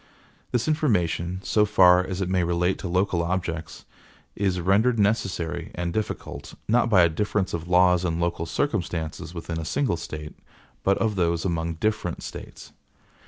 This information, so far as it may relate to local objects, is rendered necessary and difficult, not by a difference of laws and local circumstances within a single State, but of those among different States.